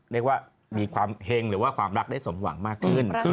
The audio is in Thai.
เรียกว่ามีความเฮงหรือว่าความรักได้สมหวังมากขึ้น